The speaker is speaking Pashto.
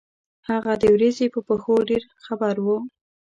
هغه د ورځې په پېښو ډېر خبر وو.